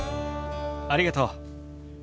ありがとう。